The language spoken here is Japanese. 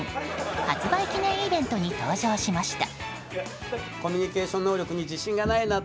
発売記念イベントに登場しました。